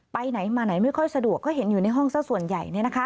ไปไหนมาไหนไม่ค่อยสะดวกก็เห็นอยู่ในห้องซะส่วนใหญ่